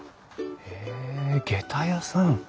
へえげた屋さん。